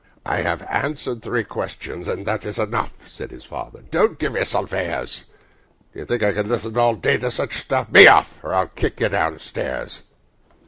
"I have answered three questions, and that is enough," Said his father. "Don't give yourself airs! Do you think I can listen all day to such stuff? Be off, or I'll kick you down stairs.